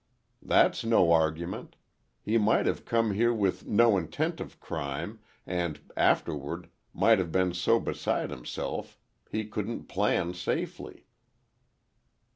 "That's no argument. He might have come here with no intent of crime, and afterward, might have been so beside himself he couldn't plan safely."